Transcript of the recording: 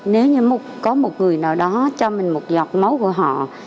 nếu như có một người nào đó cho mình một giọt máu của họ